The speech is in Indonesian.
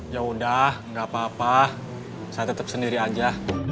ya udah gak apa apa saya tetap sendiri aja